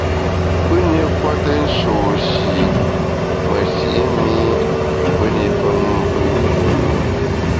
Pù-ni kwete nshôsh-i meshi’ mi pù ni pe mvùù mvù.